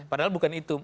padahal bukan itu